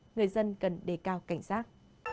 người dân cần đề cao cảnh sát